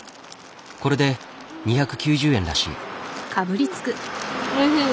これで２９０円らしい。